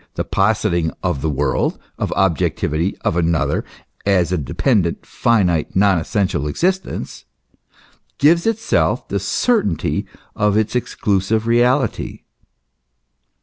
the positing of the w~orld, of objectivity, of another, as a dependent, finite, non essential existence, gives itself the certainty of its exclusive reality.